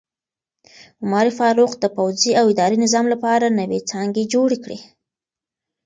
عمر فاروق د پوځي او اداري نظام لپاره نوې څانګې جوړې کړې.